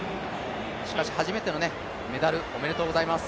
しかし初めてのメダル、おめでとうございます。